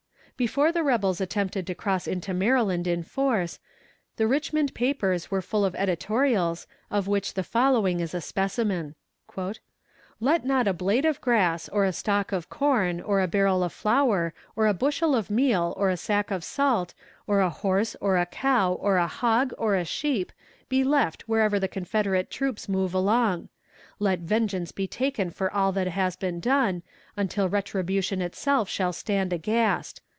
Before the rebels attempted to cross into Maryland in force, the Richmond papers were full of editorials, of which the following is a specimen: "Let not a blade of grass, or a stalk of corn, or a barrel of flour, or a bushel of meal, or a sack of salt, or a horse, or a cow, or a hog, or a sheep, be left wherever the Confederate troops move along. Let vengeance be taken for all that has been done, until retribution itself shall stand aghast.